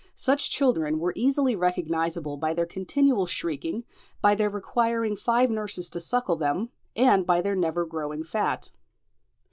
Such children were easily recognisable by their continual shrieking, by their requiring five nurses to suckle them, and by their never growing fat.